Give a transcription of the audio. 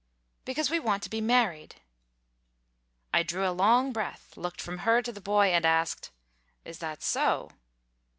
"Because we want to be married." I drew a long breath, looked from her to the boy, and asked "Is that so?"